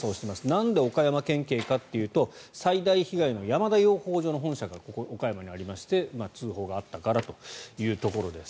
なんで岡山県警かというと最大被害の山田養蜂場の本社がここ、岡山にありまして通報があったからというところです。